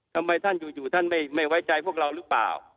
ทำไมท่านอยู่ท่านไม่ไว้ใจพวกเราหรือเปล่า